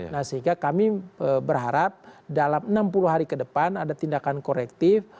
nah sehingga kami berharap dalam enam puluh hari ke depan ada tindakan korektif